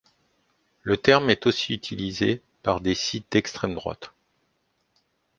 Le terme est aussi utilisé par des sites d'extrême-droite.